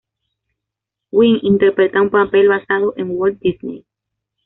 Wynn interpreta un papel basado en Walt Disney.